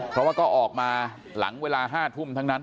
เพราะว่าก็ออกมาหลังเวลา๕ทุ่มทั้งนั้น